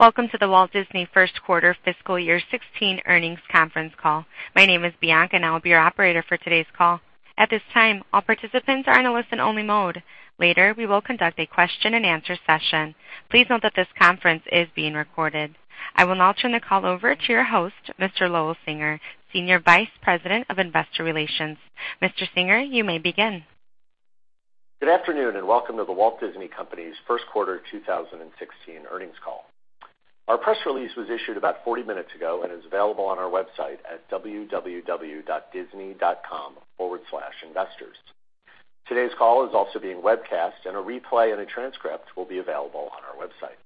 Welcome to The Walt Disney first quarter fiscal year 2016 earnings conference call. My name is Bianca and I will be your operator for today's call. At this time, all participants are in a listen-only mode. Later, we will conduct a question and answer session. Please note that this conference is being recorded. I will now turn the call over to your host, Mr. Lowell Singer, Senior Vice President of Investor Relations. Mr. Singer, you may begin. Good afternoon and welcome to The Walt Disney Company's first quarter 2016 earnings call. Our press release was issued about 40 minutes ago and is available on our website at www.disney.com/investors. Today's call is also being webcast, and a replay and a transcript will be available on our website.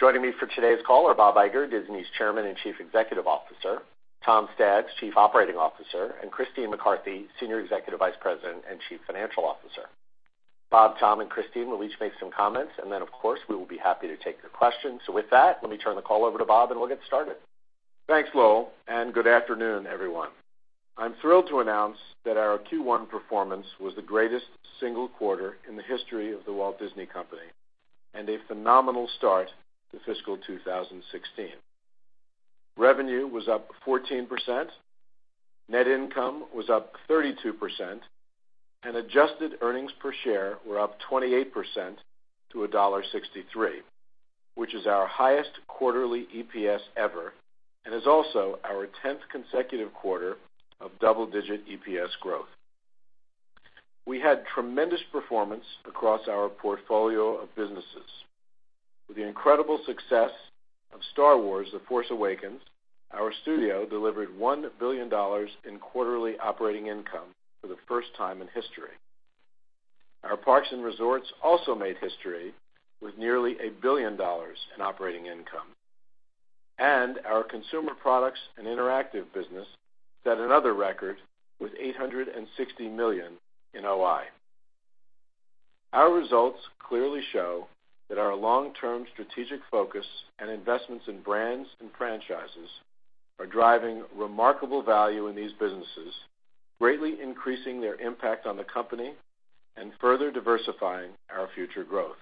Joining me for today's call are Bob Iger, Disney's Chairman and Chief Executive Officer, Tom Staggs, Chief Operating Officer, and Christine McCarthy, Senior Executive Vice President and Chief Financial Officer. Bob, Tom, and Christine will each make some comments, then of course, we will be happy to take your questions. With that, let me turn the call over to Bob and we'll get started. Thanks, Lowell, and good afternoon, everyone. I'm thrilled to announce that our Q1 performance was the greatest single quarter in the history of The Walt Disney Company and a phenomenal start to fiscal 2016. Revenue was up 14%, net income was up 32%, and adjusted earnings per share were up 28% to $1.63, which is our highest quarterly EPS ever and is also our tenth consecutive quarter of double-digit EPS growth. We had tremendous performance across our portfolio of businesses. With the incredible success of Star Wars: The Force Awakens, our studio delivered $1 billion in quarterly operating income for the first time in history. Our parks and resorts also made history with nearly $1 billion in operating income. Our Consumer Products and Interactive business set another record with $860 million in OI. Our results clearly show that our long-term strategic focus and investments in brands and franchises are driving remarkable value in these businesses, greatly increasing their impact on the company and further diversifying our future growth.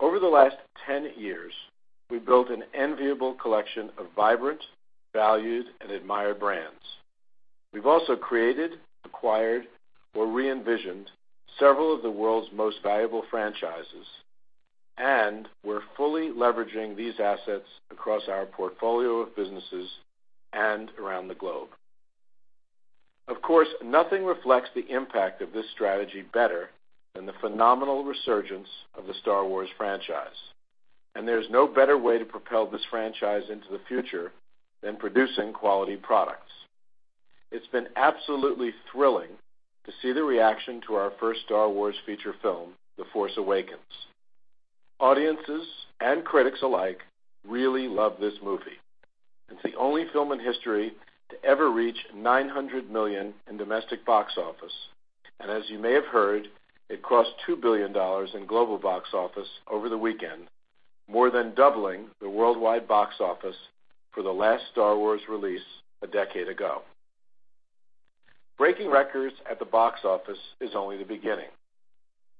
Over the last 10 years, we've built an enviable collection of vibrant, valued, and admired brands. We've also created, acquired, or re-envisioned several of the world's most valuable franchises, and we're fully leveraging these assets across our portfolio of businesses and around the globe. Of course, nothing reflects the impact of this strategy better than the phenomenal resurgence of the Star Wars franchise. There's no better way to propel this franchise into the future than producing quality products. It's been absolutely thrilling to see the reaction to our first Star Wars feature film, The Force Awakens. Audiences and critics alike really love this movie. It's the only film in history to ever reach $900 million in domestic box office. As you may have heard, it crossed $2 billion in global box office over the weekend, more than doubling the worldwide box office for the last Star Wars release a decade ago. Breaking records at the box office is only the beginning.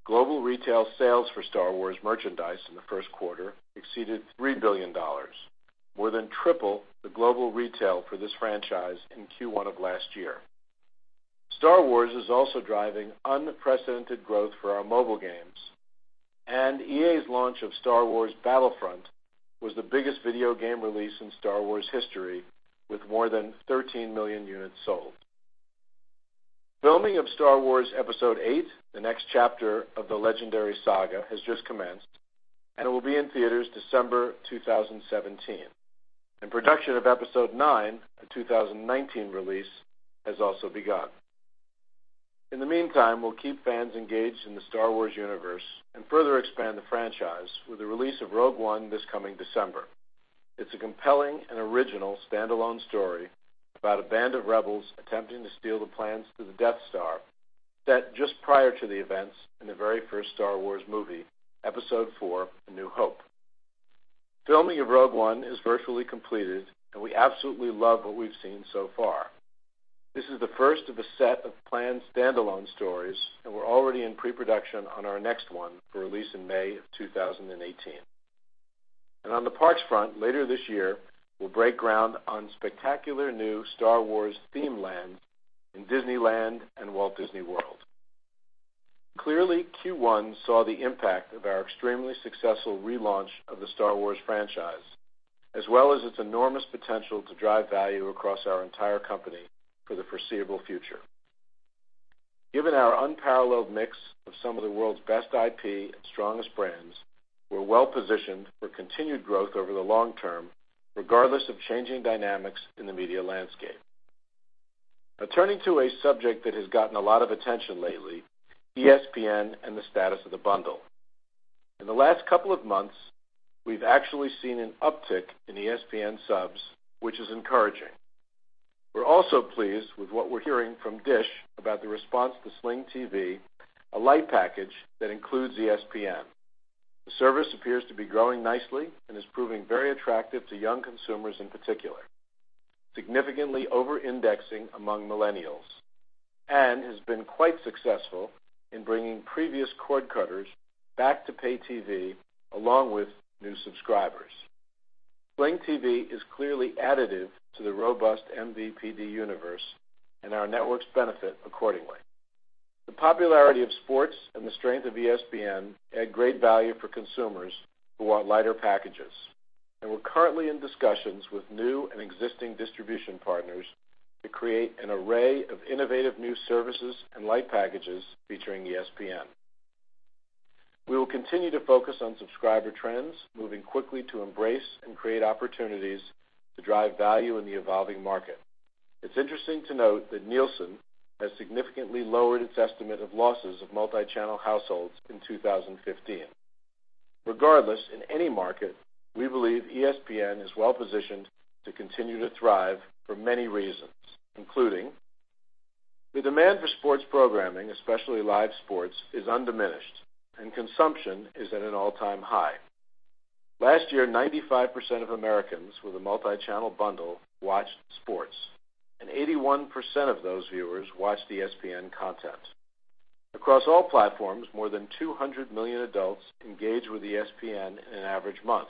Global retail sales for Star Wars merchandise in the first quarter exceeded $3 billion, more than triple the global retail for this franchise in Q1 of last year. Star Wars is also driving unprecedented growth for our mobile games, EA's launch of Star Wars Battlefront was the biggest video game release in Star Wars history, with more than 13 million units sold. Filming of Star Wars: Episode VIII, the next chapter of the legendary saga, has just commenced and will be in theaters December 2017. Production of Episode IX, a 2019 release, has also begun. In the meantime, we'll keep fans engaged in the Star Wars universe and further expand the franchise with the release of Rogue One this coming December. It's a compelling and original standalone story about a band of rebels attempting to steal the plans to the Death Star, set just prior to the events in the very first Star Wars movie, Episode IV – A New Hope. Filming of Rogue One is virtually completed and we absolutely love what we've seen so far. This is the first of a set of planned standalone stories, we're already in pre-production on our next one for release in May of 2018. On the parks front, later this year, we'll break ground on spectacular new Star Wars theme land in Disneyland and Walt Disney World. Clearly, Q1 saw the impact of our extremely successful relaunch of the Star Wars franchise, as well as its enormous potential to drive value across our entire company for the foreseeable future. Given our unparalleled mix of some of the world's best IP and strongest brands, we're well-positioned for continued growth over the long term, regardless of changing dynamics in the media landscape. Now, turning to a subject that has gotten a lot of attention lately, ESPN and the status of the bundle. In the last couple of months, we've actually seen an uptick in ESPN subs, which is encouraging. We're also pleased with what we're hearing from Dish about the response to Sling TV, a light package that includes ESPN. The service appears to be growing nicely and is proving very attractive to young consumers in particular, significantly over-indexing among millennials, and has been quite successful in bringing previous cord cutters back to pay TV along with new subscribers. Sling TV is clearly additive to the robust MVPD universe, our networks benefit accordingly. The popularity of sports and the strength of ESPN add great value for consumers who want lighter packages, we're currently in discussions with new and existing distribution partners to create an array of innovative new services and light packages featuring ESPN. We will continue to focus on subscriber trends, moving quickly to embrace and create opportunities to drive value in the evolving market. It's interesting to note that Nielsen has significantly lowered its estimate of losses of multi-channel households in 2015. Regardless, in any market, we believe ESPN is well-positioned to continue to thrive for many reasons, including the demand for sports programming, especially live sports, is undiminished, and consumption is at an all-time high. Last year, 95% of Americans with a multi-channel bundle watched sports, and 81% of those viewers watched ESPN content. Across all platforms, more than 200 million adults engage with ESPN in an average month.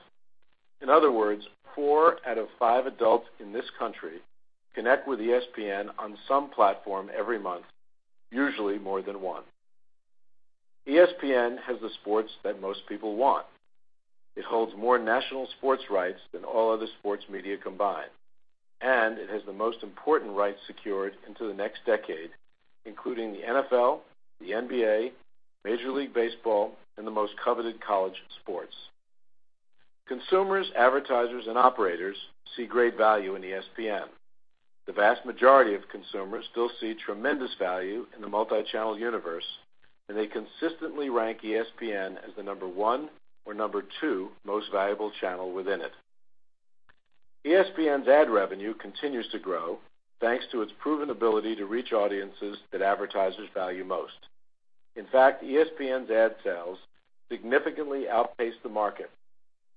In other words, four out of five adults in this country connect with ESPN on some platform every month, usually more than one. ESPN has the sports that most people want. It holds more national sports rights than all other sports media combined. It has the most important rights secured into the next decade, including the NFL, the NBA, Major League Baseball, and the most coveted college sports. Consumers, advertisers, and operators see great value in ESPN. The vast majority of consumers still see tremendous value in the multi-channel universe, and they consistently rank ESPN as the number one or number two most valuable channel within it. ESPN's ad revenue continues to grow thanks to its proven ability to reach audiences that advertisers value most. In fact, ESPN's ad sales significantly outpaced the market,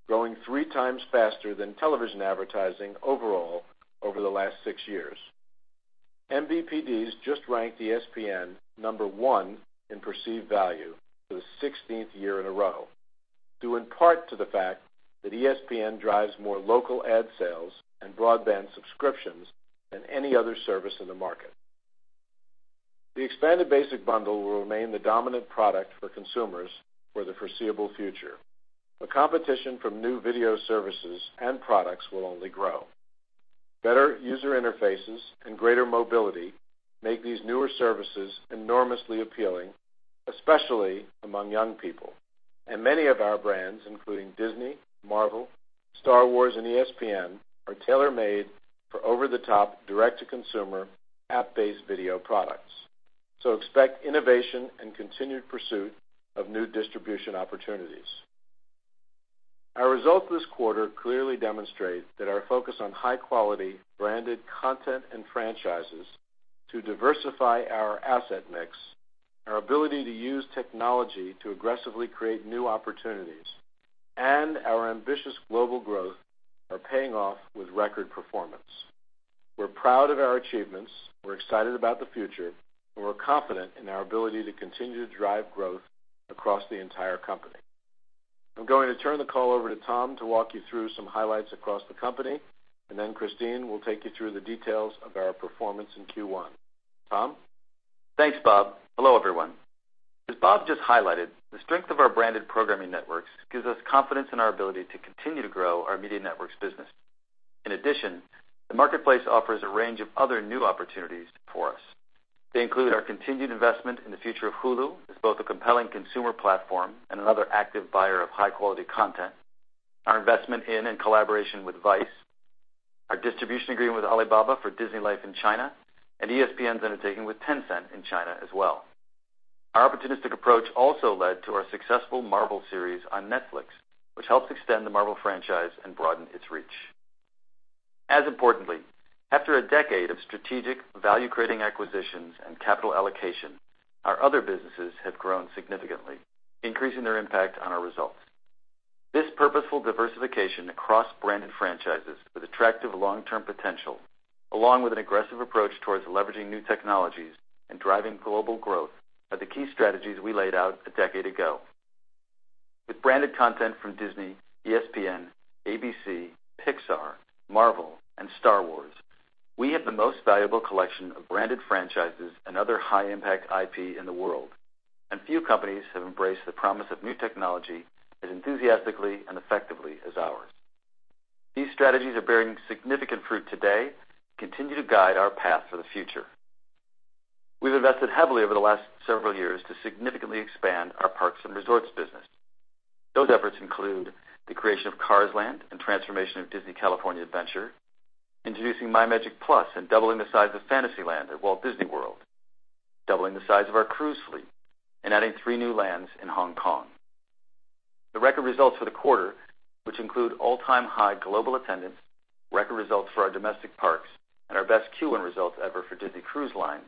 growing three times faster than television advertising overall over the last six years. MVPDs just ranked ESPN number one in perceived value for the 16th year in a row, due in part to the fact that ESPN drives more local ad sales and broadband subscriptions than any other service in the market. The expanded basic bundle will remain the dominant product for consumers for the foreseeable future. The competition from new video services and products will only grow. Better user interfaces and greater mobility make these newer services enormously appealing, especially among young people. Many of our brands, including Disney, Marvel, Star Wars, and ESPN, are tailor-made for over-the-top, direct-to-consumer, app-based video products. Expect innovation and continued pursuit of new distribution opportunities. Our results this quarter clearly demonstrate that our focus on high-quality branded content and franchises to diversify our asset mix, our ability to use technology to aggressively create new opportunities, and our ambitious global growth are paying off with record performance. We're proud of our achievements, we're excited about the future, and we're confident in our ability to continue to drive growth across the entire company. I'm going to turn the call over to Tom to walk you through some highlights across the company. Christine will take you through the details of our performance in Q1. Tom? Thanks, Bob. Hello, everyone. As Bob just highlighted, the strength of our branded programming networks gives us confidence in our ability to continue to grow our media networks business. In addition, the marketplace offers a range of other new opportunities for us. They include our continued investment in the future of Hulu as both a compelling consumer platform and another active buyer of high-quality content, our investment in and collaboration with Vice, our distribution agreement with Alibaba for DisneyLife in China, and ESPN's undertaking with Tencent in China as well. Our opportunistic approach also led to our successful Marvel series on Netflix, which helps extend the Marvel franchise and broaden its reach. As importantly, after a decade of strategic value-creating acquisitions and capital allocation, our other businesses have grown significantly, increasing their impact on our results. This purposeful diversification across branded franchises with attractive long-term potential, along with an aggressive approach towards leveraging new technologies and driving global growth, are the key strategies we laid out a decade ago. With branded content from Disney, ESPN, ABC, Pixar, Marvel, and Star Wars, we have the most valuable collection of branded franchises and other high-impact IP in the world. Few companies have embraced the promise of new technology as enthusiastically and effectively as ours. These strategies are bearing significant fruit today and continue to guide our path for the future. We've invested heavily over the last several years to significantly expand our parks and resorts business. Those efforts include the creation of Cars Land and transformation of Disney California Adventure, introducing MyMagic+, and doubling the size of Fantasyland at Walt Disney World, doubling the size of our cruise fleet, and adding three new lands in Hong Kong. The record results for the quarter, which include all-time high global attendance Record results for our domestic parks and our best Q1 results ever for Disney Cruise Line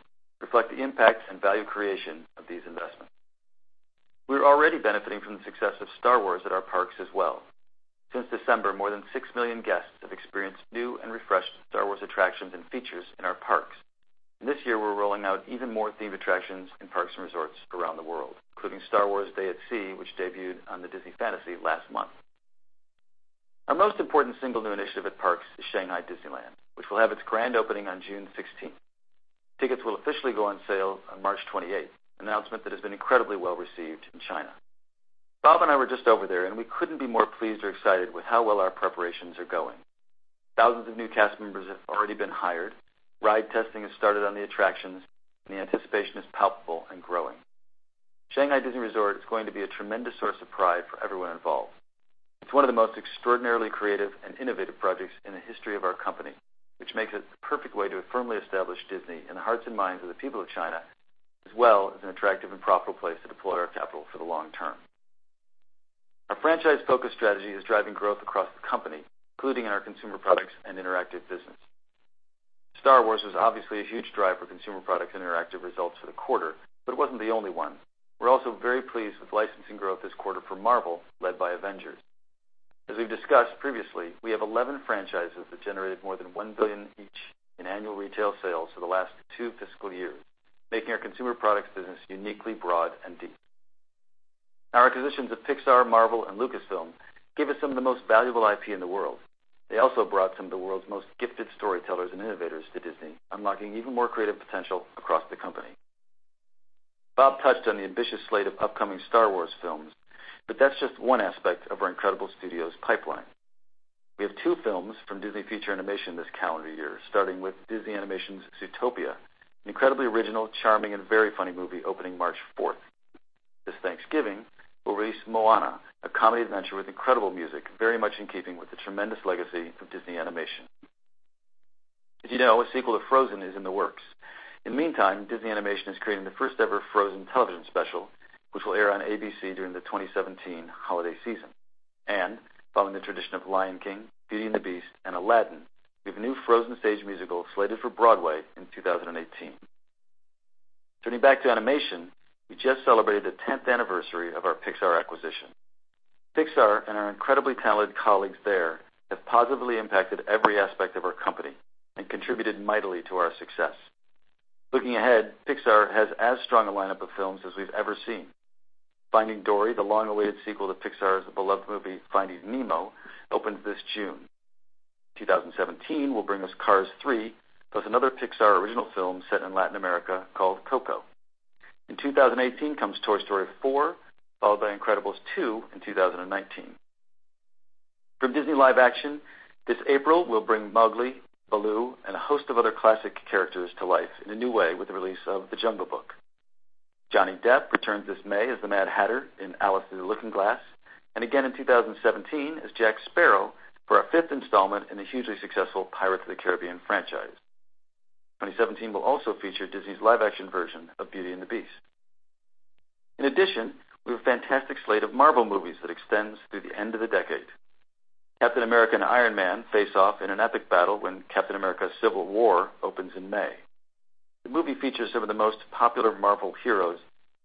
reflect the impact and value creation of these investments. We're already benefiting from the success of Star Wars at our parks as well. Since December, more than six million guests have experienced new and refreshed Star Wars attractions and features in our parks. This year, we're rolling out even more themed attractions in parks and resorts around the world, including Star Wars: Day at Sea, which debuted on the Disney Fantasy last month. Our most important single new initiative at parks is Shanghai Disneyland, which will have its grand opening on June 16th. Tickets will officially go on sale on March 28th, an announcement that has been incredibly well-received in China. Bob and I were just over there. We couldn't be more pleased or excited with how well our preparations are going. Thousands of new cast members have already been hired. Ride testing has started on the attractions. The anticipation is palpable and growing. Shanghai Disney Resort is going to be a tremendous source of pride for everyone involved. It's one of the most extraordinarily creative and innovative projects in the history of our company, which makes it the perfect way to firmly establish Disney in the hearts and minds of the people of China, as well as an attractive and profitable place to deploy our capital for the long term. Our franchise-focused strategy is driving growth across the company, including in our Consumer Products and Interactive business. Star Wars was obviously a huge drive for consumer products and interactive results for the quarter, but it wasn't the only one. We're also very pleased with licensing growth this quarter for Marvel, led by Avengers. As we've discussed previously, we have 11 franchises that generated more than $1 billion each in annual retail sales for the last two fiscal years, making our consumer products business uniquely broad and deep. Our acquisitions of Pixar, Marvel, and Lucasfilm give us some of the most valuable IP in the world. They also brought some of the world's most gifted storytellers and innovators to Disney, unlocking even more creative potential across the company. Bob touched on the ambitious slate of upcoming Star Wars films, but that's just one aspect of our incredible studios pipeline. We have two films from Disney Feature Animation this calendar year, starting with Disney Animation's Zootopia, an incredibly original, charming, and very funny movie opening March 4th. This Thanksgiving, we'll release Moana, a comedy adventure with incredible music, very much in keeping with the tremendous legacy of Disney Animation. As you know, a sequel to Frozen is in the works. In the meantime, Disney Animation is creating the first-ever Frozen television special, which will air on ABC during the 2017 holiday season. Following the tradition of Lion King, Beauty and the Beast, and Aladdin, we have a new Frozen stage musical slated for Broadway in 2018. Turning back to animation, we just celebrated the 10th anniversary of our Pixar acquisition. Pixar and our incredibly talented colleagues there have positively impacted every aspect of our company and contributed mightily to our success. Looking ahead, Pixar has as strong a lineup of films as we've ever seen. Finding Dory, the long-awaited sequel to Pixar's beloved movie, Finding Nemo, opens this June. 2017 will bring us Cars 3, plus another Pixar original film set in Latin America called Coco. In 2018 comes Toy Story 4, followed by Incredibles 2 in 2019. From Disney Live Action, this April we'll bring Mowgli, Baloo, and a host of other classic characters to life in a new way with the release of The Jungle Book. Johnny Depp returns this May as the Mad Hatter in Alice in the Looking Glass, and again in 2017 as Jack Sparrow for our fifth installment in the hugely successful Pirates of the Caribbean franchise. 2017 will also feature Disney's live-action version of Beauty and the Beast. In addition, we have a fantastic slate of Marvel movies that extends through the end of the decade. Captain America and Iron Man face off in an epic battle when Captain America: Civil War opens in May. The movie features some of the most popular Marvel heroes,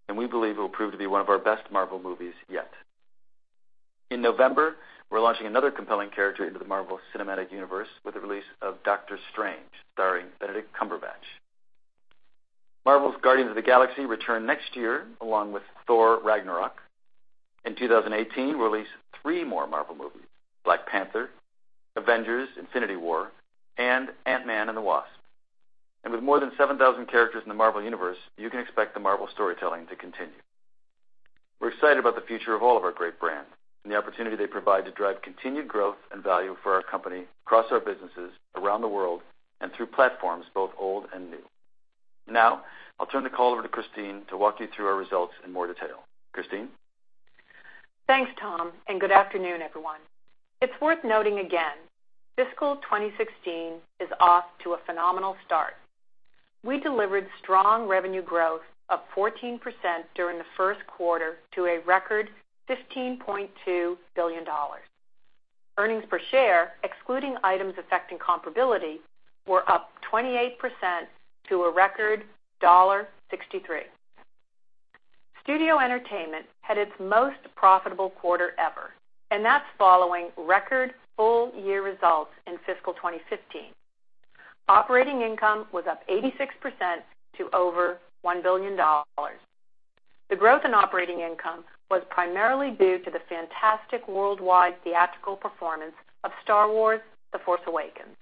and we believe it will prove to be one of our best Marvel movies yet. In November, we're launching another compelling character into the Marvel Cinematic Universe with the release of Doctor Strange, starring Benedict Cumberbatch. Marvel's Guardians of the Galaxy return next year, along with Thor: Ragnarok. In 2018, we'll release three more Marvel movies: Black Panther, Avengers: Infinity War, and Ant-Man and the Wasp. With more than 7,000 characters in the Marvel Universe, you can expect the Marvel storytelling to continue. We're excited about the future of all of our great brands and the opportunity they provide to drive continued growth and value for our company across our businesses, around the world, and through platforms both old and new. Now, I'll turn the call over to Christine to walk you through our results in more detail. Christine? Thanks, Tom, and good afternoon, everyone. It's worth noting again, fiscal 2016 is off to a phenomenal start. We delivered strong revenue growth of 14% during the first quarter to a record $15.2 billion. Earnings per share, excluding items affecting comparability, were up 28% to a record $1.63. Studio entertainment had its most profitable quarter ever. That's following record full-year results in fiscal 2015. Operating income was up 86% to over $1 billion. The growth in Operating income was primarily due to the fantastic worldwide theatrical performance of Star Wars: The Force Awakens.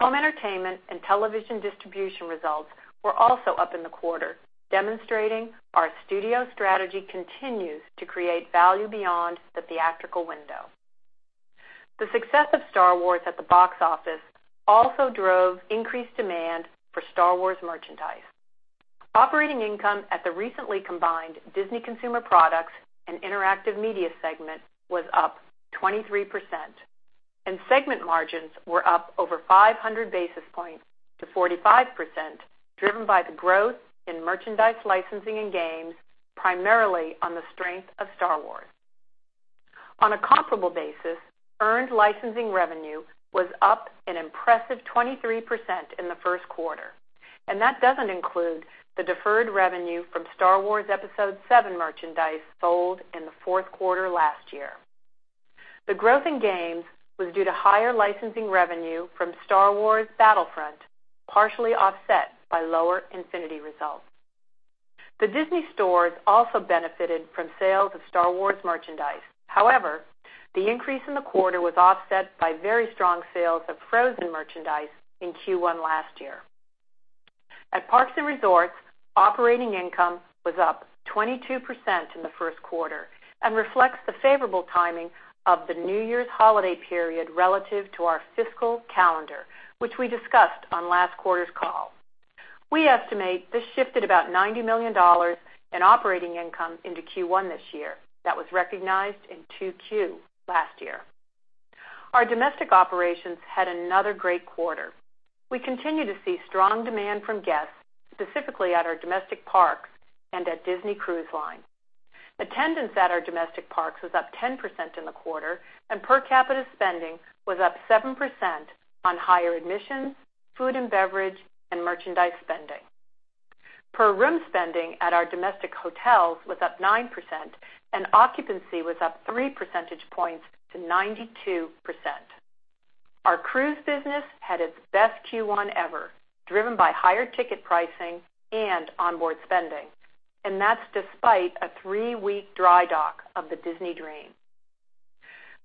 Home entertainment and television distribution results were also up in the quarter, demonstrating our studio strategy continues to create value beyond the theatrical window. The success of Star Wars at the box office also drove increased demand for Star Wars merchandise. Operating income at the recently combined Disney Consumer Products and Interactive Media segment was up 23%. Segment margins were up over 500 basis points to 45%, driven by the growth in merchandise licensing and games primarily on the strength of Star Wars. On a comparable basis, earned licensing revenue was up an impressive 23% in the first quarter. That doesn't include the deferred revenue from Star Wars: Episode VII merchandise sold in the fourth quarter last year. The growth in games was due to higher licensing revenue from Star Wars Battlefront, partially offset by lower Infinity results. The Disney stores also benefited from sales of Star Wars merchandise. However, the increase in the quarter was offset by very strong sales of Frozen merchandise in Q1 last year. At Parks and Resorts, Operating income was up 22% in the first quarter and reflects the favorable timing of the New Year's holiday period relative to our fiscal calendar, which we discussed on last quarter's call. We estimate this shifted about $90 million in Operating income into Q1 this year that was recognized in 2Q last year. Our domestic operations had another great quarter. We continue to see strong demand from guests, specifically at our domestic parks and at Disney Cruise Line. Attendance at our domestic parks was up 10% in the quarter. Per capita spending was up 7% on higher admissions, food and beverage, and merchandise spending. Per room spending at our domestic hotels was up 9%. Occupancy was up three percentage points to 92%. Our cruise business had its best Q1 ever, driven by higher ticket pricing and onboard spending, and that's despite a three-week dry dock of the Disney Dream.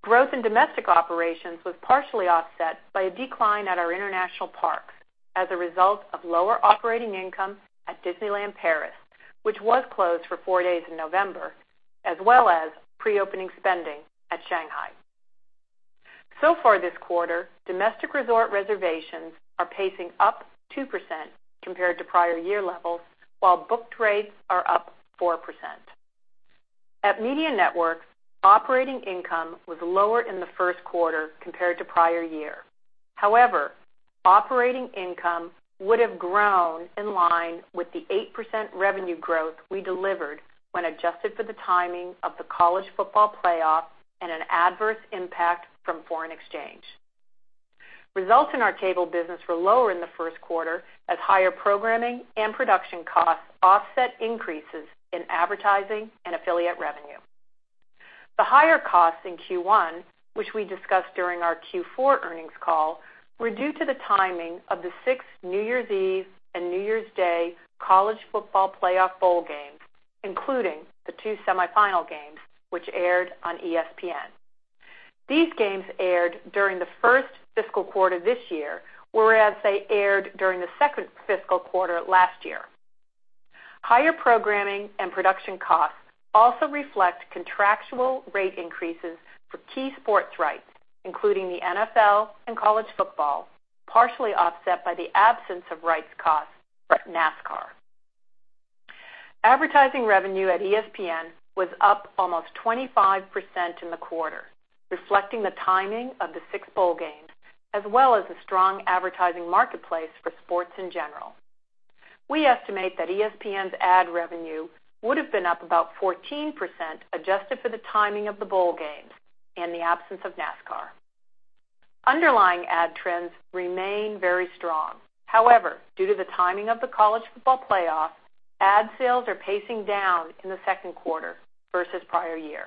Growth in domestic operations was partially offset by a decline at our international parks as a result of lower operating income at Disneyland Paris, which was closed for four days in November, as well as pre-opening spending at Shanghai. So far this quarter, domestic resort reservations are pacing up 2% compared to prior year levels, while booked rates are up 4%. At Media Networks, operating income was lower in the first quarter compared to prior year. However, operating income would have grown in line with the 8% revenue growth we delivered when adjusted for the timing of the College Football Playoff and an adverse impact from foreign exchange. Results in our cable business were lower in the first quarter as higher programming and production costs offset increases in advertising and affiliate revenue. The higher costs in Q1, which we discussed during our Q4 earnings call, were due to the timing of the sixth New Year's Eve and New Year's Day College Football Playoff bowl games, including the two semifinal games, which aired on ESPN. These games aired during the first fiscal quarter this year, whereas they aired during the second fiscal quarter last year. Higher programming and production costs also reflect contractual rate increases for key sports rights, including the NFL and college football, partially offset by the absence of rights costs for NASCAR. Advertising revenue at ESPN was up almost 25% in the quarter, reflecting the timing of the six bowl games, as well as a strong advertising marketplace for sports in general. We estimate that ESPN's ad revenue would have been up about 14% adjusted for the timing of the bowl games and the absence of NASCAR. Underlying ad trends remain very strong. However, due to the timing of the College Football Playoff, ad sales are pacing down in the second quarter versus prior year.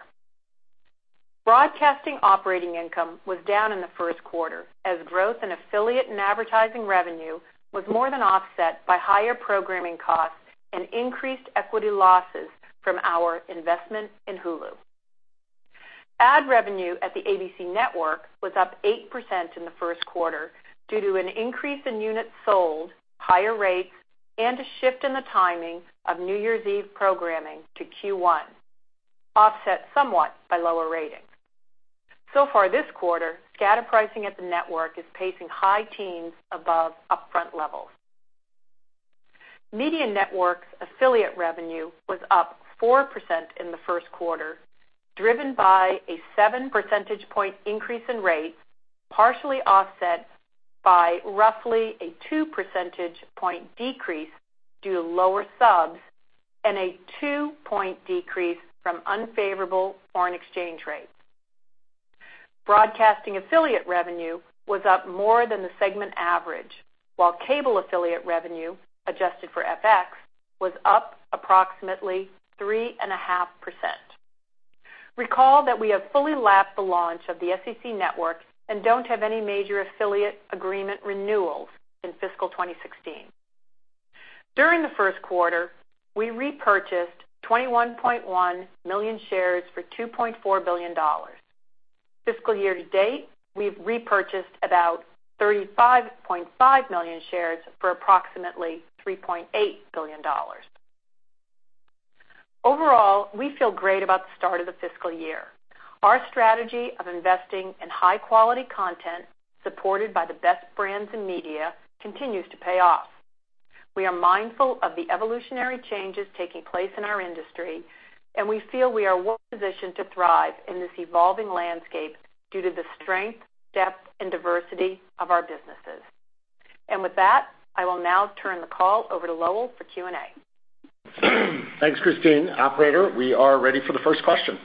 Broadcasting operating income was down in the first quarter as growth in affiliate and advertising revenue was more than offset by higher programming costs and increased equity losses from our investment in Hulu. Ad revenue at the ABC Network was up 8% in the first quarter due to an increase in units sold, higher rates, and a shift in the timing of New Year's Eve programming to Q1, offset somewhat by lower ratings. So far this quarter, scatter pricing at the network is pacing high teens above upfront levels. Media Networks affiliate revenue was up 4% in the first quarter, driven by a seven percentage point increase in rates, partially offset by roughly a two percentage point decrease due to lower subs and a two-point decrease from unfavorable foreign exchange rates. Broadcasting affiliate revenue was up more than the segment average, while cable affiliate revenue, adjusted for FX, was up approximately 3.5%. Recall that we have fully lapped the launch of the SEC Network and don't have any major affiliate agreement renewals in fiscal 2016. During the first quarter, we repurchased 21.1 million shares for $2.4 billion. Fiscal year to date, we've repurchased about 35.5 million shares for approximately $3.8 billion. Overall, we feel great about the start of the fiscal year. Our strategy of investing in high-quality content supported by the best brands in media continues to pay off. We are mindful of the evolutionary changes taking place in our industry, we feel we are well-positioned to thrive in this evolving landscape due to the strength, depth, and diversity of our businesses. With that, I will now turn the call over to Lowell for Q&A. Thanks, Christine. Operator, we are ready for the first question.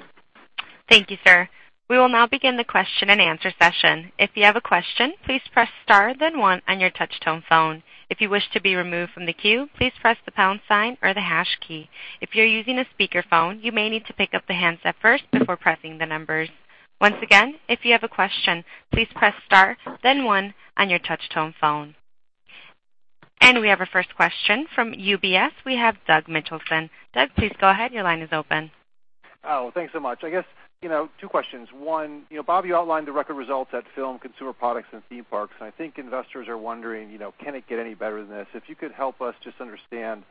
Thank you, sir. We will now begin the question and answer session. If you have a question, please press star then one on your touch-tone phone. If you wish to be removed from the queue, please press the pound sign or the hash key. If you're using a speakerphone, you may need to pick up the handset first before pressing the numbers. Once again, if you have a question, please press star then one on your touch-tone phone. We have our first question from UBS. We have Doug Mitchelson then. Doug, please go ahead. Your line is open. Oh, thanks so much. I guess two questions. One, Bob, you outlined the record results at Film, Consumer Products, and Theme Parks, I think investors are wondering, can it get any better than this? If you could help us just understand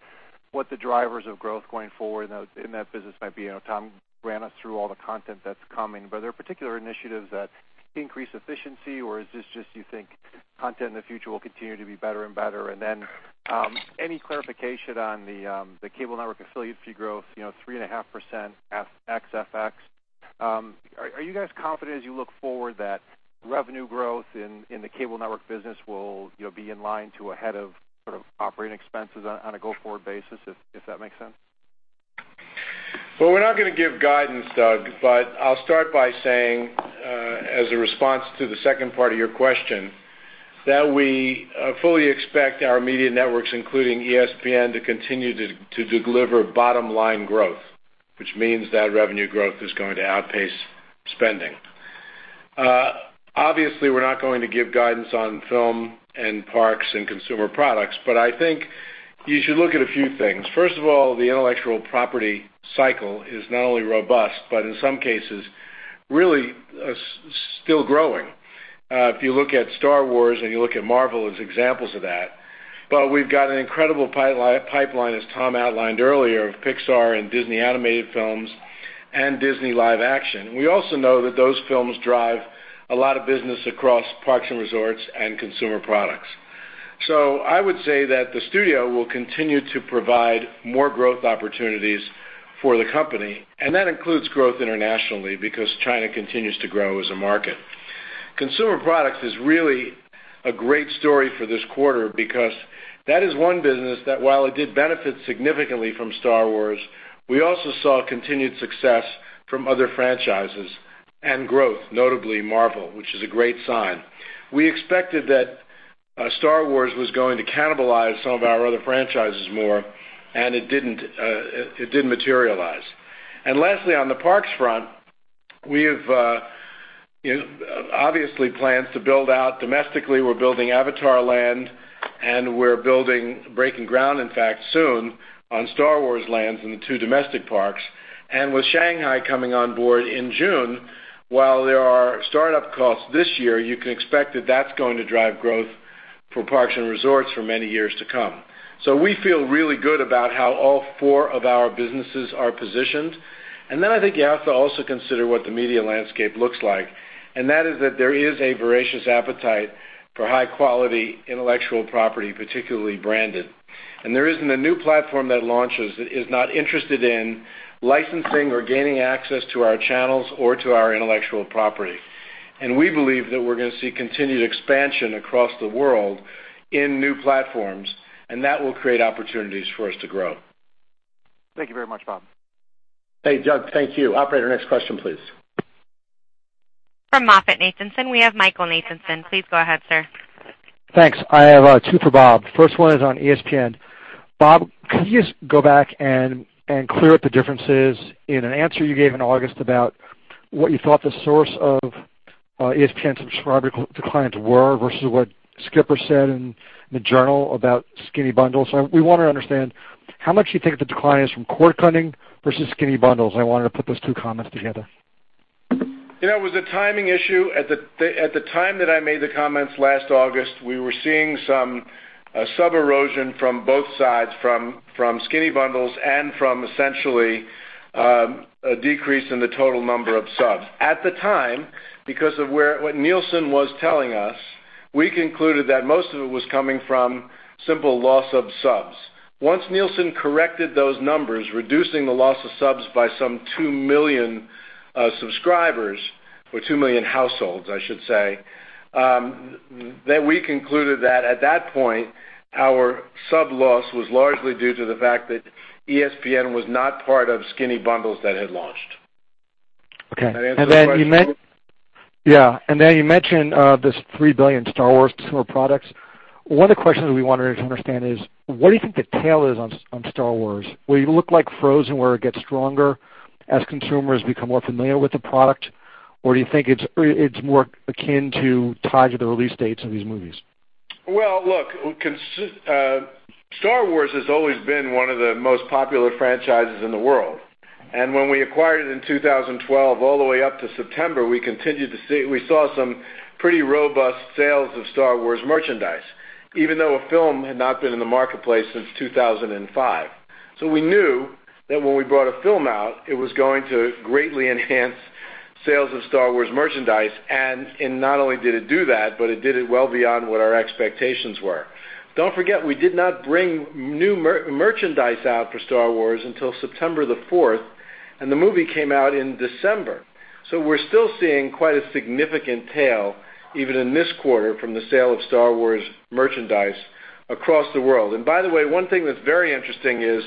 what the drivers of growth going forward in that business might be. Tom ran us through all the content that's coming, but there are particular initiatives that increase efficiency or is this just you think content in the future will continue to be better and better? Then, any clarification on the cable network affiliate fee growth, 3.5% FX. Are you guys confident as you look forward that revenue growth in the cable network business will be in line to ahead of operating expenses on a go-forward basis? If that makes sense. Well, we're not going to give guidance, Doug, but I'll start by saying, as a response to the second part of your question, that we fully expect our media networks, including ESPN, to continue to deliver bottom-line growth, which means that revenue growth is going to outpace spending. Obviously, we're not going to give guidance on film and parks and consumer products, but I think you should look at a few things. First of all, the intellectual property cycle is not only robust, but in some cases really still growing. If you look at Star Wars and you look at Marvel as examples of that. We've got an incredible pipeline, as Tom outlined earlier, of Pixar and Disney animated films and Disney live action. We also know that those films drive a lot of business across parks and resorts and consumer products. I would say that the studio will continue to provide more growth opportunities for the company, and that includes growth internationally because China continues to grow as a market. Consumer products is really a great story for this quarter because that is one business that while it did benefit significantly from Star Wars, we also saw continued success from other franchises and growth, notably Marvel, which is a great sign. We expected that Star Wars was going to cannibalize some of our other franchises more, and it didn't materialize. Lastly, on the parks front, we have obviously plans to build out domestically. We're building Avatar Land and we're building breaking ground, in fact, soon on Star Wars lands in the two domestic parks. With Shanghai coming on board in June, while there are startup costs this year, you can expect that that's going to drive growth for parks and resorts for many years to come. We feel really good about how all four of our businesses are positioned. I think you have to also consider what the media landscape looks like, and that is that there is a voracious appetite for high-quality intellectual property, particularly branded. There isn't a new platform that launches that is not interested in licensing or gaining access to our channels or to our intellectual property. We believe that we're going to see continued expansion across the world in new platforms, and that will create opportunities for us to grow. Thank you very much, Bob. Hey, Doug. Thank you. Operator, next question, please. From MoffettNathanson, we have Michael Nathanson. Please go ahead, sir. Thanks. I have two for Bob. First one is on ESPN. Bob, can you just go back and clear up the differences in an answer you gave in August about what you thought the source of ESPN subscriber declines were versus what Skipper said in the journal about skinny bundles? We want to understand how much you think the decline is from cord-cutting versus skinny bundles. I wanted to put those two comments together. It was a timing issue. At the time that I made the comments last August, we were seeing some sub-erosion from both sides, from skinny bundles and from essentially a decrease in the total number of subs. At the time, because of what Nielsen was telling us, we concluded that most of it was coming from simple loss of subs. Once Nielsen corrected those numbers, reducing the loss of subs by some 2 million subscribers, or 2 million households, I should say, then we concluded that at that point, our sub loss was largely due to the fact that ESPN was not part of skinny bundles that had launched. Okay. Does that answer the question? Yeah. You mentioned this $3 billion Star Wars consumer products. One of the questions we wanted to understand is what do you think the tail is on Star Wars? Will you look like Frozen where it gets stronger as consumers become more familiar with the product? Or do you think it's more akin to tied to the release dates of these movies? Well, look, Star Wars has always been one of the most popular franchises in the world. When we acquired it in 2012, all the way up to September, we saw some pretty robust sales of Star Wars merchandise, even though a film had not been in the marketplace since 2005. We knew that when we brought a film out, it was going to greatly enhance sales of Star Wars merchandise, not only did it do that, but it did it well beyond what our expectations were. Don't forget, we did not bring new merchandise out for Star Wars until September 4th, the movie came out in December. We're still seeing quite a significant tail, even in this quarter, from the sale of Star Wars merchandise across the world. By the way, one thing that's very interesting is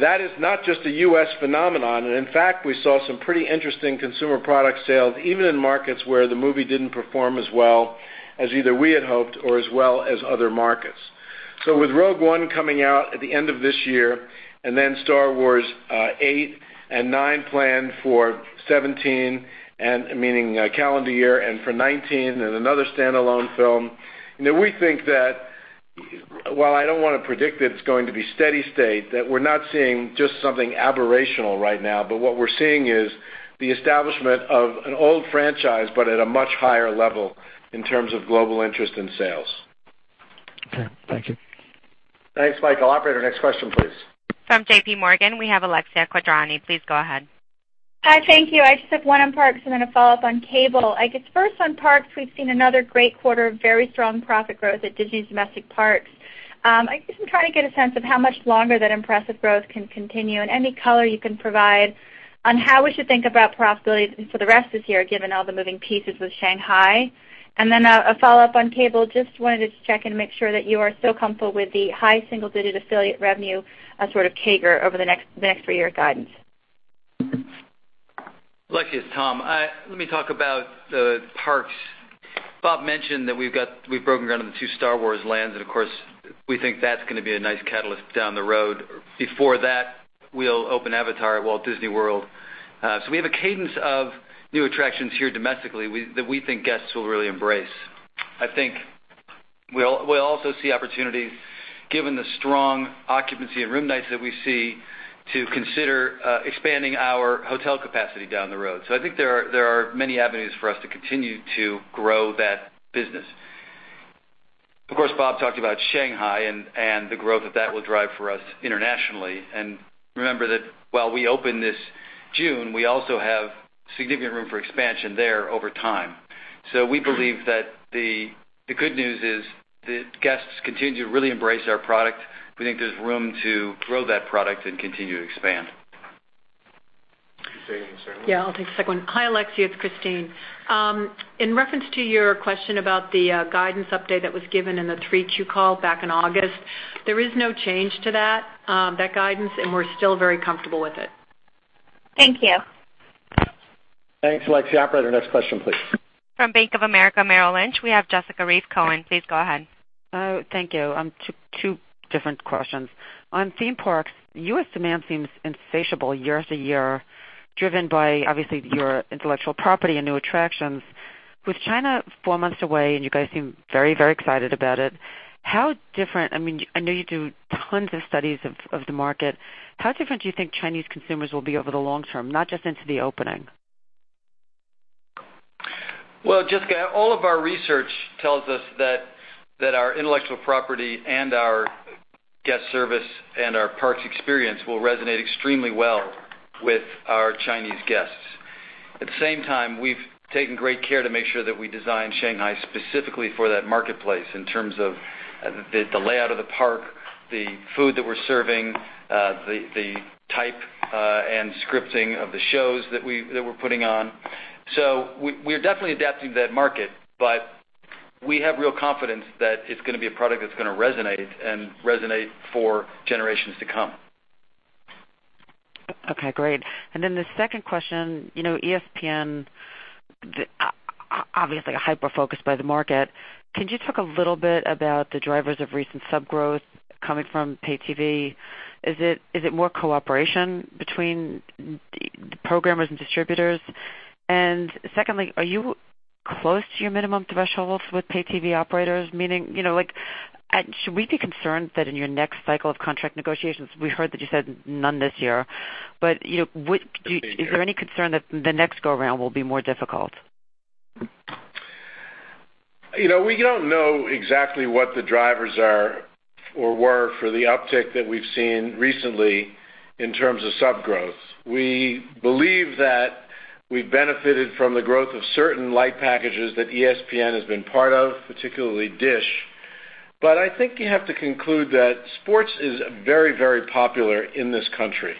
that is not just a U.S. phenomenon. In fact, we saw some pretty interesting consumer product sales, even in markets where the movie didn't perform as well as either we had hoped or as well as other markets. With Rogue One coming out at the end of this year, Star Wars 8 and 9 planned for 2017, meaning calendar year, and for 2019, and another standalone film. We think that while I don't want to predict that it's going to be steady state, that we're not seeing just something aberrational right now, but what we're seeing is the establishment of an old franchise, but at a much higher level in terms of global interest and sales. Okay. Thank you. Thanks, Michael. Operator, next question, please. From J.P. Morgan, we have Alexia Quadrani. Please go ahead. Hi, thank you. I just have one on Parks and then a follow-up on Cable. I guess first on Parks, we've seen another great quarter of very strong profit growth at Disney's domestic Parks. I guess I'm trying to get a sense of how much longer that impressive growth can continue and any color you can provide on how we should think about profitability for the rest of this year, given all the moving pieces with Shanghai. Then a follow-up on Cable. Just wanted to check and make sure that you are still comfortable with the high single-digit affiliate revenue, sort of CAGR over the next three years guidance. Alexia, it's Tom. Let me talk about the Parks. Bob mentioned that we've broken ground on the two Star Wars Lands, of course, we think that's going to be a nice catalyst down the road. Before that, we'll open Avatar at Walt Disney World. We have a cadence of new attractions here domestically, that we think guests will really embrace. I think we'll also see opportunities, given the strong occupancy and room nights that we see to consider expanding our hotel capacity down the road. I think there are many avenues for us to continue to grow that business. Of course, Bob talked about Shanghai and the growth that that will drive for us internationally. Remember that while we open this June, we also have significant room for expansion there over time. We believe that the good news is the guests continue to really embrace our product. We think there's room to grow that product and continue to expand. Can you say anything, Christine? Yeah, I'll take the second one. Hi, Alexia, it's Christine. In reference to your question about the guidance update that was given in the 3Q call back in August, there is no change to that guidance, and we're still very comfortable with it. Thank you. Thanks, Alexia. Operator, next question, please. From Bank of America Merrill Lynch, we have Jessica Reif Cohen. Please go ahead. Thank you. Two different questions. On theme parks, U.S. demand seems insatiable year after year, driven by obviously your intellectual property and new attractions. With China four months away, you guys seem very excited about it. I know you do tons of studies of the market, how different do you think Chinese consumers will be over the long term, not just into the opening? Well, Jessica, all of our research tells us that our intellectual property and our guest service and our parks experience will resonate extremely well with our Chinese guests. At the same time, we've taken great care to make sure that we design Shanghai specifically for that marketplace in terms of the layout of the park, the food that we're serving, the type, and scripting of the shows that we're putting on. We're definitely adapting to that market, but we have real confidence that it's going to be a product that's going to resonate and resonate for generations to come. Okay, great. Then the second question, ESPN obviously hyper-focused by the market. Can you talk a little bit about the drivers of recent sub growth coming from pay TV? Is it more cooperation between programmers and distributors? Secondly, are you close to your minimum thresholds with pay TV operators? Should we be concerned that in your next cycle of contract negotiations, we heard that you said none this year. 15 year Is there any concern that the next go around will be more difficult? We don't know exactly what the drivers are or were for the uptick that we've seen recently in terms of sub growth. We believe that we benefited from the growth of certain light packages that ESPN has been part of, particularly Dish. I think you have to conclude that sports is very popular in this country.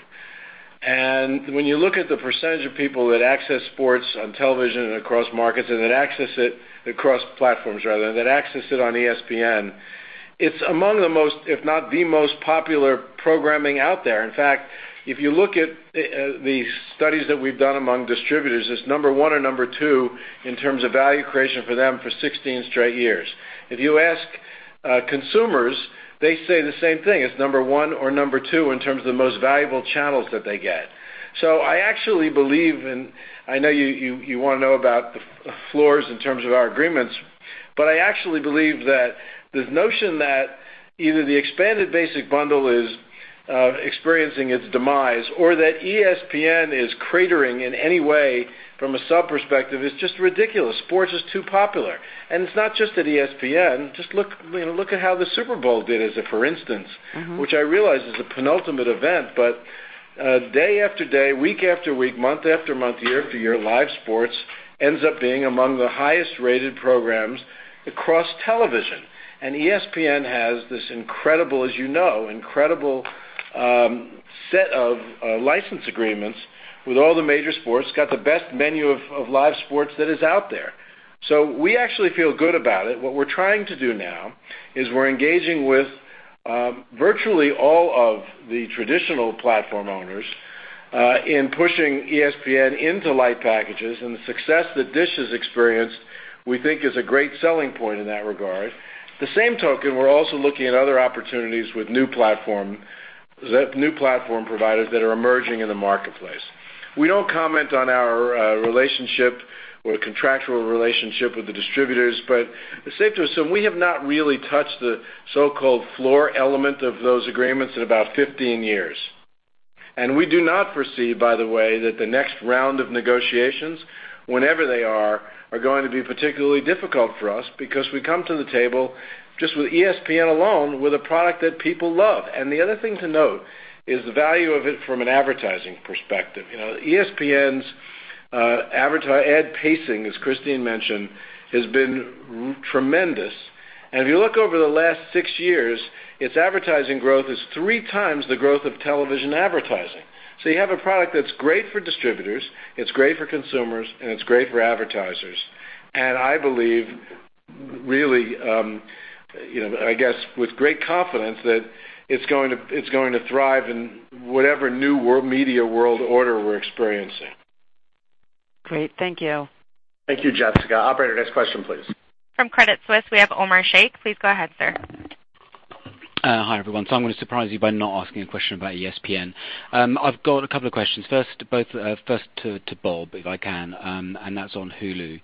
When you look at the percentage of people that access sports on television and across markets and that access it across platforms rather, and that access it on ESPN, it's among the most, if not the most popular programming out there. In fact, if you look at the studies that we've done among distributors, it's number 1 or number 2 in terms of value creation for them for 16 straight years. If you ask consumers, they say the same thing. It's number 1 or number 2 in terms of the most valuable channels that they get. I actually believe, and I know you want to know about the floors in terms of our agreements, I actually believe that this notion that either the expanded basic bundle is experiencing its demise or that ESPN is cratering in any way from a sub perspective is just ridiculous. Sports is too popular. It's not just at ESPN. Just look at how the Super Bowl did as a for instance, which I realize is a penultimate event. Day after day, week after week, month after month, year after year, live sports ends up being among the highest-rated programs across television. ESPN has this, as you know, incredible set of license agreements with all the major sports, got the best menu of live sports that is out there. We actually feel good about it. What we're trying to do now is we're engaging with virtually all of the traditional platform owners in pushing ESPN into light packages. The success that Dish has experienced, we think is a great selling point in that regard. The same token, we're also looking at other opportunities with new platform providers that are emerging in the marketplace. We don't comment on our relationship or contractual relationship with the distributors, it's safe to assume we have not really touched the so-called floor element of those agreements in about 15 years. We do not foresee, by the way, that the next round of negotiations, whenever they are going to be particularly difficult for us, because we come to the table just with ESPN alone, with a product that people love. The other thing to note is the value of it from an advertising perspective. ESPN's ad pacing, as Christine mentioned, has been tremendous. If you look over the last six years, its advertising growth is three times the growth of television advertising. You have a product that's great for distributors, it's great for consumers, and it's great for advertisers. I believe, really, I guess, with great confidence, that it's going to thrive in whatever new media world order we're experiencing. Great. Thank you. Thank you, Jessica. Operator, next question, please. From Credit Suisse, we have Omar Sheikh. Please go ahead, sir. Hi, everyone. I'm going to surprise you by not asking a question about ESPN. I've got a couple of questions. First, to Bob, if I can, and that's on Hulu.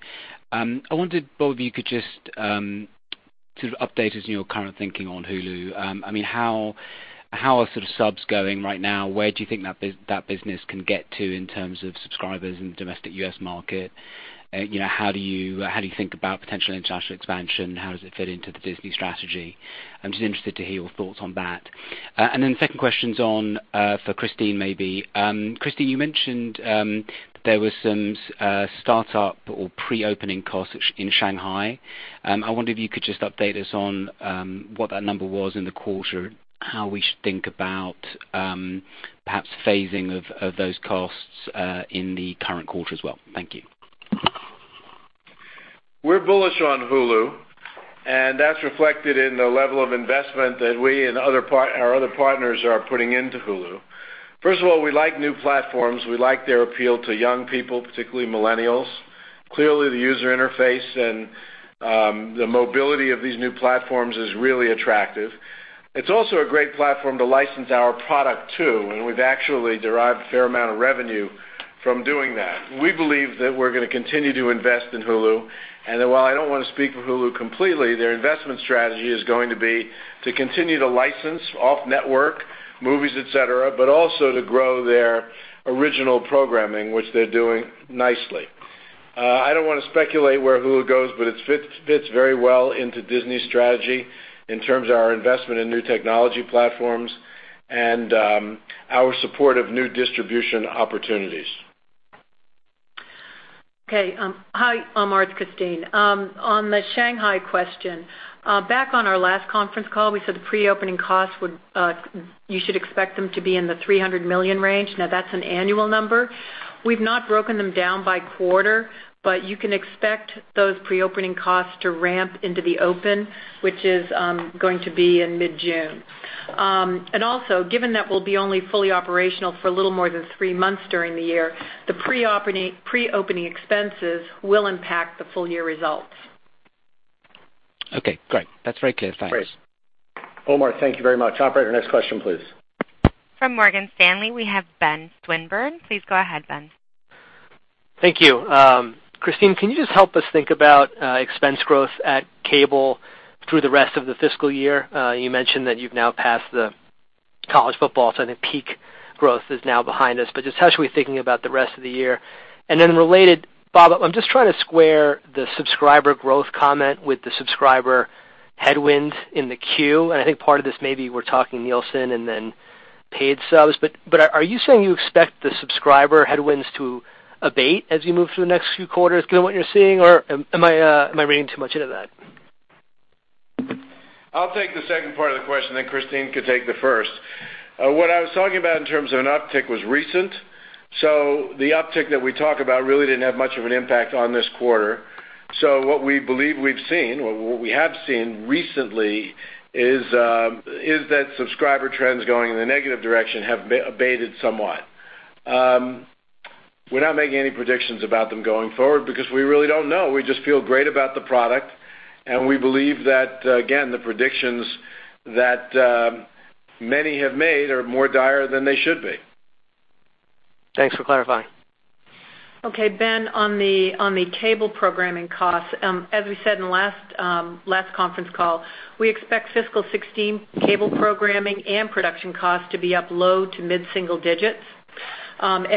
I wondered, Bob, if you could just sort of update us on your current thinking on Hulu. How are subs going right now? Where do you think that business can get to in terms of subscribers in the domestic U.S. market? How do you think about potential international expansion? How does it fit into the Disney strategy? I'm just interested to hear your thoughts on that. The second question's for Christine, maybe. Christine, you mentioned there was some startup or pre-opening costs in Shanghai. I wonder if you could just update us on what that number was in the quarter, how we should think about perhaps phasing of those costs in the current quarter as well. Thank you. We're bullish on Hulu, that's reflected in the level of investment that we and our other partners are putting into Hulu. First of all, we like new platforms. We like their appeal to young people, particularly millennials. Clearly, the user interface the mobility of these new platforms is really attractive. It's also a great platform to license our product, too, we've actually derived a fair amount of revenue from doing that. We believe that we're going to continue to invest in Hulu, while I don't want to speak for Hulu completely, their investment strategy is going to be to continue to license off network movies, et cetera, also to grow their original programming, which they're doing nicely. I don't want to speculate where Hulu goes, it fits very well into Disney's strategy in terms of our investment in new technology platforms our support of new distribution opportunities. Okay. Hi, Omar. It's Christine. On the Shanghai question, back on our last conference call, we said the pre-opening costs, you should expect them to be in the $300 million range. That's an annual number. We've not broken them down by quarter, you can expect those pre-opening costs to ramp into the open, which is going to be in mid-June. Given that we'll be only fully operational for a little more than three months during the year, the pre-opening expenses will impact the full-year results. Okay, great. That's very clear. Thanks. Great. Omar, thank you very much. Operator, next question, please. From Morgan Stanley, we have Ben Swinburne. Please go ahead, Ben. Thank you. Christine, can you just help us think about expense growth at Cable through the rest of the fiscal year? You mentioned that you've now passed the college football, so I think peak growth is now behind us. Just how should we be thinking about the rest of the year? Then related, Bob, I'm just trying to square the subscriber growth comment with the subscriber headwind in the queue. I think part of this may be we're talking Nielsen and then paid subs. Are you saying you expect the subscriber headwinds to abate as we move through the next few quarters given what you're seeing? Or am I reading too much into that? I'll take the second part of the question, then Christine can take the first. What I was talking about in terms of an uptick was recent. The uptick that we talk about really didn't have much of an impact on this quarter. What we believe we've seen, or what we have seen recently is that subscriber trends going in the negative direction have abated somewhat. We're not making any predictions about them going forward because we really don't know. We just feel great about the product, we believe that, again, the predictions that many have made are more dire than they should be. Thanks for clarifying. Okay, Ben, on the Cable programming costs, as we said in the last conference call, we expect fiscal 2016 Cable programming and production costs to be up low to mid-single digits.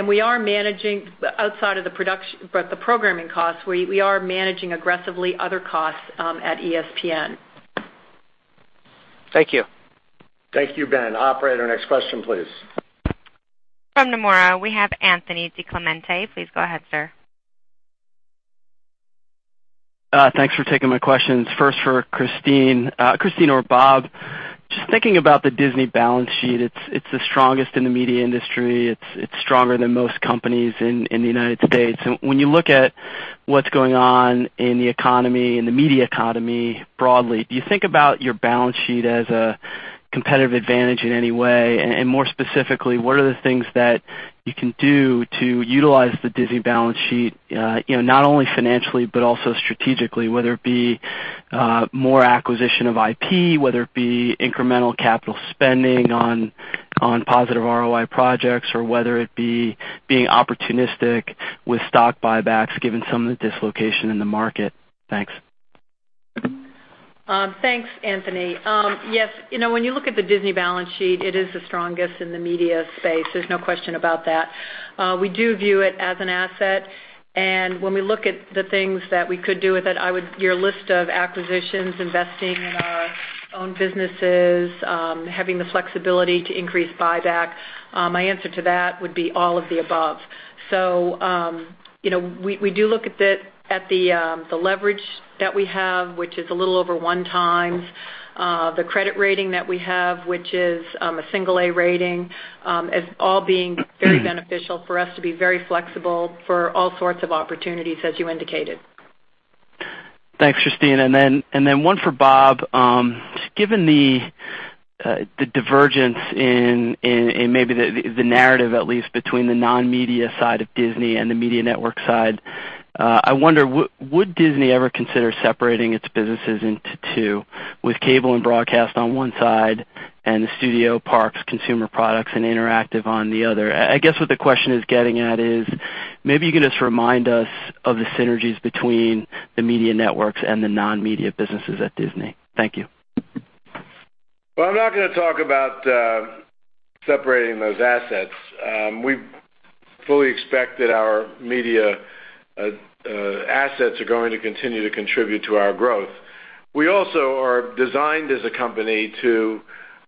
We are managing outside of the programming costs, we are managing aggressively other costs at ESPN. Thank you. Thank you, Ben. Operator, next question, please. From Nomura, we have Anthony DiClemente. Please go ahead, sir. Thanks for taking my questions. First for Christine or Bob, just thinking about the Disney balance sheet, it's the strongest in the media industry. It's stronger than most companies in the U.S. When you look at what's going on in the economy, in the media economy broadly, do you think about your balance sheet as a competitive advantage in any way? More specifically, what are the things that you can do to utilize the Disney balance sheet, not only financially but also strategically, whether it be more acquisition of IP, whether it be incremental capital spending on positive ROI projects, or whether it be being opportunistic with stock buybacks given some of the dislocation in the market? Thanks. Thanks, Anthony. When you look at the Disney balance sheet, it is the strongest in the media space. There's no question about that. We do view it as an asset, and when we look at the things that we could do with it, your list of acquisitions, investing in our own businesses, having the flexibility to increase buyback, my answer to that would be all of the above. We do look at the leverage that we have, which is a little over 1x, the credit rating that we have, which is a single A rating, as all being very beneficial for us to be very flexible for all sorts of opportunities as you indicated. Thanks, Christine and then one for Bob. Given the divergence in maybe the narrative at least between the non-media side of Disney and the media network side, I wonder, would Disney ever consider separating its businesses into two, with cable and broadcast on one side and the studio parks, consumer products, and interactive on the other? What the question is getting at is, maybe you can just remind us of the synergies between the media networks and the non-media businesses at Disney. Thank you. I'm not going to talk about separating those assets. We fully expect that our media assets are going to continue to contribute to our growth. We also are designed as a company to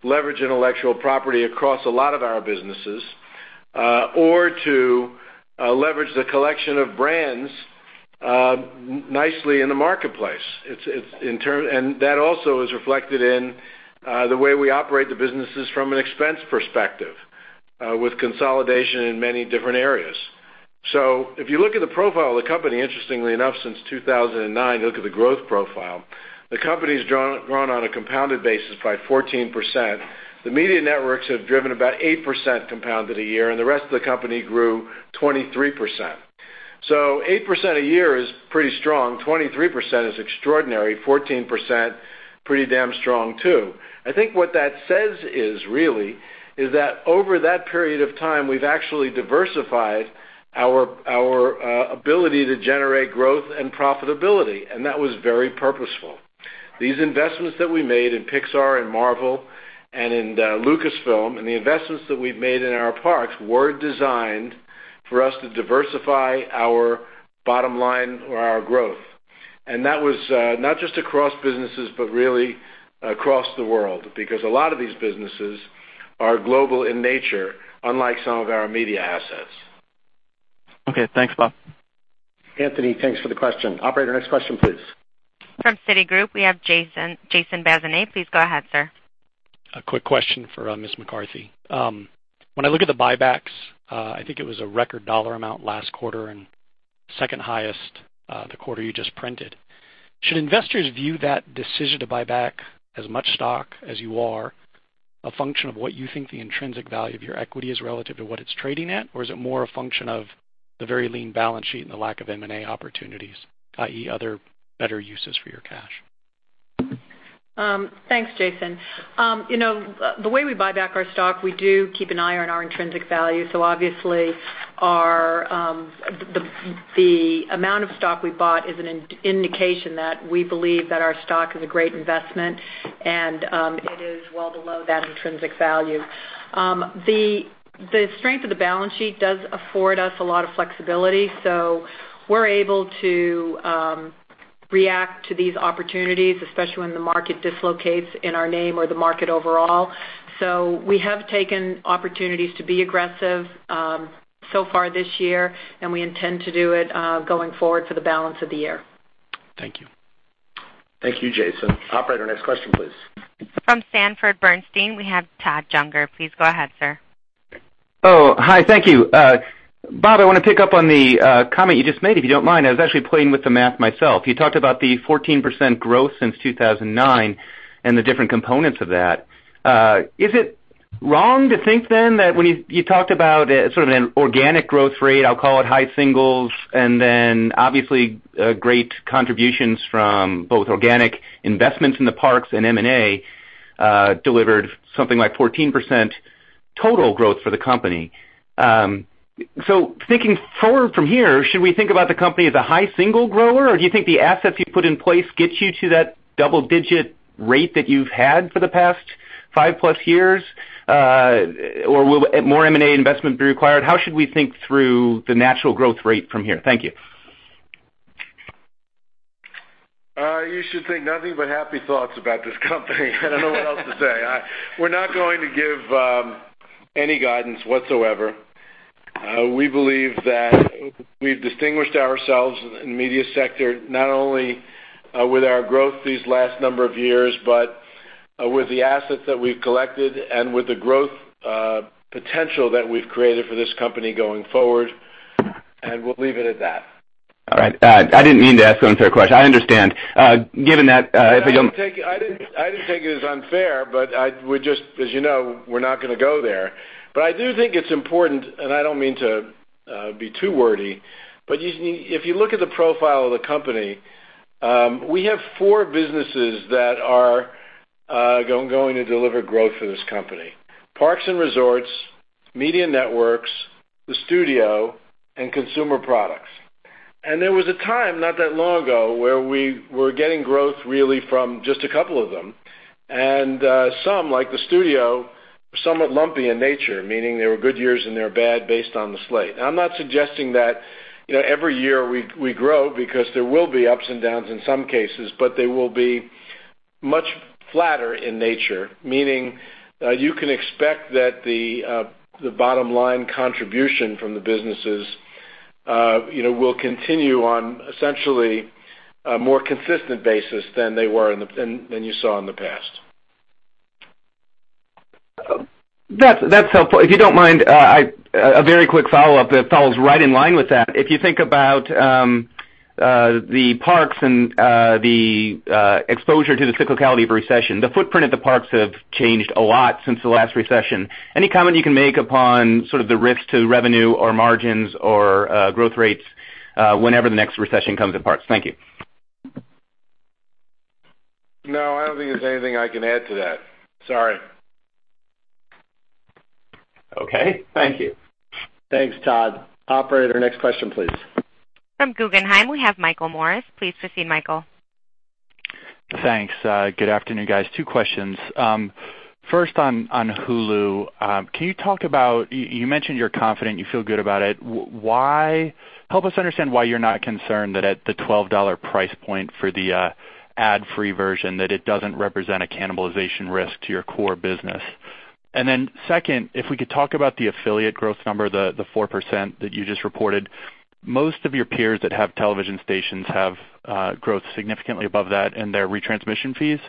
leverage intellectual property across a lot of our businesses, or to leverage the collection of brands nicely in the marketplace. That also is reflected in the way we operate the businesses from an expense perspective, with consolidation in many different areas. If you look at the profile of the company, interestingly enough, since 2009, look at the growth profile, the company's grown on a compounded basis by 14%. The media networks have driven about 8% compounded a year, and the rest of the company grew 23%. 8% a year is pretty strong. 23% is extraordinary. 14%, pretty damn strong, too. I think what that says is that over that period of time, we've actually diversified our ability to generate growth and profitability, and that was very purposeful. These investments that we made in Pixar and Marvel and in Lucasfilm, and the investments that we've made in our parks were designed for us to diversify our bottom line or our growth. That was not just across businesses, but really across the world, because a lot of these businesses are global in nature, unlike some of our media assets. Okay. Thanks, Bob. Anthony, thanks for the question. Operator, next question, please. From Citigroup, we have Jason Bazinet. Please go ahead, sir. A quick question for Ms. McCarthy. When I look at the buybacks, I think it was a record dollar amount last quarter and second highest the quarter you just printed. Should investors view that decision to buy back as much stock as you are a function of what you think the intrinsic value of your equity is relative to what it's trading at? Or is it more a function of the very lean balance sheet and the lack of M&A opportunities, i.e., other better uses for your cash? Thanks, Jason. The way we buy back our stock, we do keep an eye on our intrinsic value. Obviously, the amount of stock we bought is an indication that we believe that our stock is a great investment, and it is well below that intrinsic value. The strength of the balance sheet does afford us a lot of flexibility. We're able to react to these opportunities, especially when the market dislocates in our name or the market overall. We have taken opportunities to be aggressive so far this year, and we intend to do it going forward for the balance of the year. Thank you. Thank you, Jason. Operator, next question, please. From Sanford Bernstein, we have Todd Juenger. Please go ahead, sir. Oh, hi. Thank you. Bob, I want to pick up on the comment you just made, if you don't mind. I was actually playing with the math myself. You talked about the 14% growth since 2009 and the different components of that. Is it wrong to think that when you talked about sort of an organic growth rate, I'll call it high singles, and then obviously great contributions from both organic investments in the Parks and M&A delivered something like 14% total growth for the company. Thinking forward from here, should we think about the company as a high single grower, or do you think the assets you put in place gets you to that double-digit rate that you've had for the past five-plus years? Will more M&A investment be required? How should we think through the natural growth rate from here? Thank you. You should think nothing but happy thoughts about this company. I don't know what else to say. We're not going to give any guidance whatsoever. We believe that we've distinguished ourselves in the media sector, not only with our growth these last number of years, but with the assets that we've collected and with the growth potential that we've created for this company going forward. We'll leave it at that. All right. I didn't mean to ask an unfair question. I understand. Given that, if I don't I didn't take it as unfair, but as you know, we're not going to go there. I do think it's important, and I don't mean to be too wordy, but if you look at the profile of the company, we have four businesses that are going to deliver growth for this company. Parks and Resorts, Media Networks, the Studio, and Consumer Products. There was a time not that long ago, where we were getting growth really from just a couple of them, and some, like the Studio, were somewhat lumpy in nature, meaning there were good years and there were bad based on the slate. I'm not suggesting that every year we grow, because there will be ups and downs in some cases, but they will be much flatter in nature, meaning that you can expect that the bottom line contribution from the businesses will continue on essentially a more consistent basis than you saw in the past. That's helpful. If you don't mind, a very quick follow-up that follows right in line with that. If you think about the parks and the exposure to the cyclicality of recession, the footprint of the parks have changed a lot since the last recession. Any comment you can make upon sort of the risk to revenue or margins or growth rates whenever the next recession comes in parks? Thank you. I don't think there's anything I can add to that. Sorry. Thank you. Thanks, Todd. Operator, next question, please. From Guggenheim, we have Michael Morris. Please proceed, Michael. Thanks. Good afternoon, guys. Two questions. First on Hulu, you mentioned you're confident, you feel good about it. Help us understand why you're not concerned that at the $12 price point for the ad-free version, that it doesn't represent a cannibalization risk to your core business. Second, if we could talk about the affiliate growth number, the 4% that you just reported. Most of your peers that have television stations have growth significantly above that in their retransmission fees,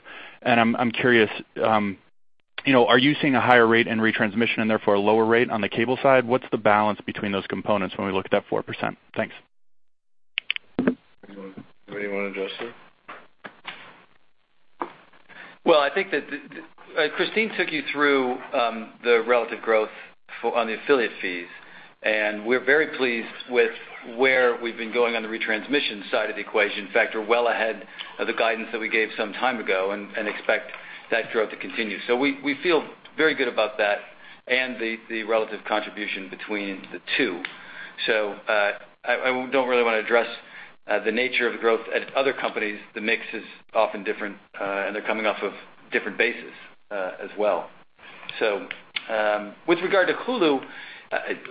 and I'm curious, are you seeing a higher rate in retransmission and therefore a lower rate on the cable side? What's the balance between those components when we look at that 4%? Thanks. Do you want to address it? Well, Christine took you through the relative growth on the affiliate fees, and we're very pleased with where we've been going on the retransmission side of the equation. In fact, we're well ahead of the guidance that we gave some time ago and expect that growth to continue. We feel very good about that and the relative contribution between the two. I don't really want to address the nature of the growth at other companies. The mix is often different, and they're coming off of different bases as well. With regard to Hulu,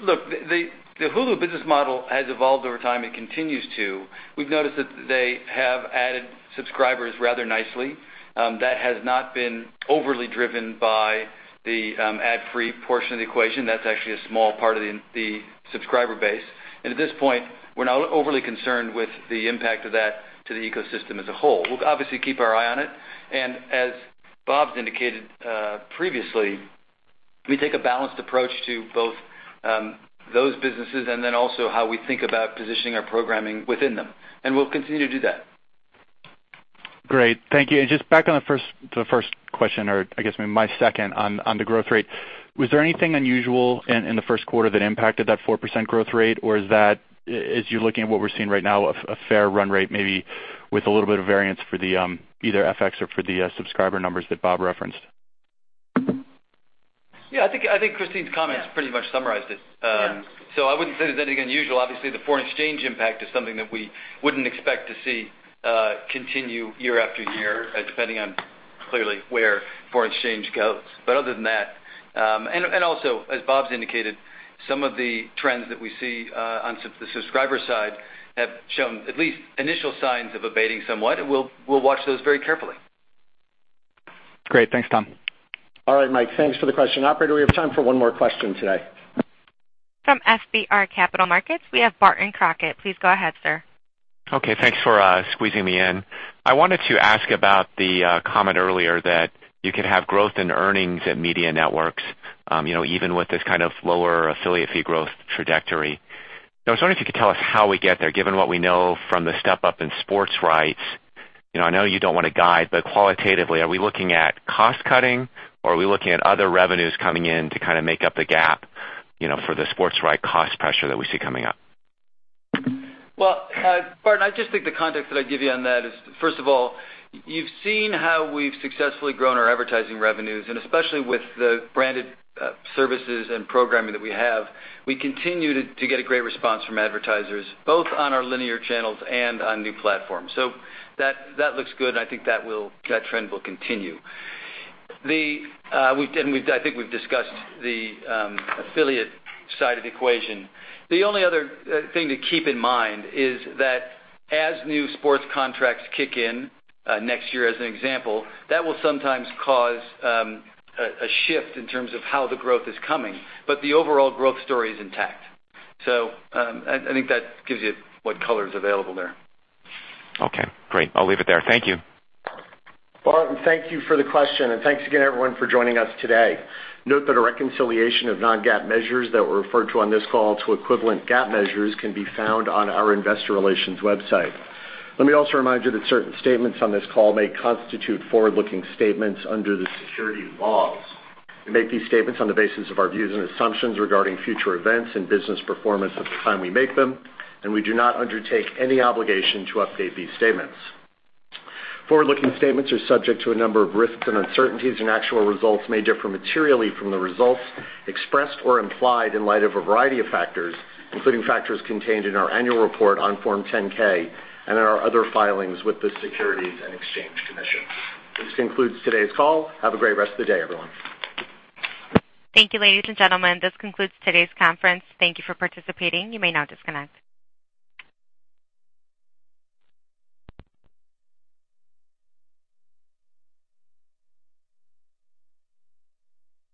look, the Hulu business model has evolved over time and continues to. We've noticed that they have added subscribers rather nicely. That has not been overly driven by the ad-free portion of the equation. That's actually a small part of the subscriber base. At this point, we're not overly concerned with the impact of that to the ecosystem as a whole. We'll obviously keep our eye on it, and as Bob's indicated previously, we take a balanced approach to both those businesses and then also how we think about positioning our programming within them. We'll continue to do that. Great. Thank you. Just back to the first question or I guess my second on the growth rate. Was there anything unusual in the first quarter that impacted that 4% growth rate? Or is that, as you're looking at what we're seeing right now, a fair run rate, maybe with a little bit of variance for the either FX or for the subscriber numbers that Bob referenced? Yeah, I think Christine's comments pretty much summarized it. Yeah. I wouldn't say there's anything unusual. Obviously, the foreign exchange impact is something that we wouldn't expect to see continue year after year, depending on clearly where foreign exchange goes. Other than that and also, as Bob's indicated, some of the trends that we see on the subscriber side have shown at least initial signs of abating somewhat, and we'll watch those very carefully. Great. Thanks, Tom. All right, Mike, thanks for the question. Operator, we have time for one more question today. From FBR Capital Markets, we have Barton Crockett. Please go ahead, sir. Okay, thanks for squeezing me in. I wanted to ask about the comment earlier that you could have growth in earnings at Media Networks even with this kind of lower affiliate fee growth trajectory. I was wondering if you could tell us how we get there, given what we know from the step-up in sports rights. Qualitatively, are we looking at cost cutting or are we looking at other revenues coming in to kind of make up the gap for the sports rights cost pressure that we see coming up? Well, Barton, I just think the context that I'd give you on that is, first of all, you've seen how we've successfully grown our advertising revenues, and especially with the branded services and programming that we have, we continue to get a great response from advertisers, both on our linear channels and on new platforms. That looks good, and I think that trend will continue. I think we've discussed the affiliate side of the equation. The only other thing to keep in mind is that as new sports contracts kick in next year as an example, that will sometimes cause a shift in terms of how the growth is coming, but the overall growth story is intact. I think that gives you what color is available there. Okay, great. I'll leave it there. Thank you. Barton, thank you for the question, and thanks again, everyone, for joining us today. Note that a reconciliation of non-GAAP measures that were referred to on this call to equivalent GAAP measures can be found on our investor relations website. Let me also remind you that certain statements on this call may constitute forward-looking statements under the securities laws. We make these statements on the basis of our views and assumptions regarding future events and business performance at the time we make them, and we do not undertake any obligation to update these statements. Forward-looking statements are subject to a number of risks and uncertainties, and actual results may differ materially from the results expressed or implied in light of a variety of factors, including factors contained in our annual report on Form 10-K and in our other filings with the Securities and Exchange Commission. This concludes today's call. Have a great rest of the day, everyone. Thank you, ladies and gentlemen. This concludes today's conference. Thank you for participating. You may now disconnect.